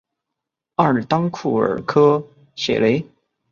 阿尔当库尔科谢雷。